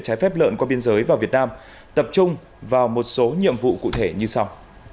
trái phép lợn qua biên giới vào việt nam tập trung vào một số nhiệm vụ cụ thể như sau